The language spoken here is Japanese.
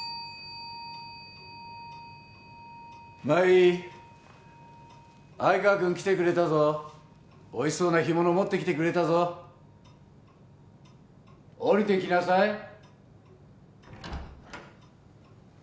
麻衣愛川くん来てくれたぞおいしそうな干物持ってきてくれたぞおりてきなさい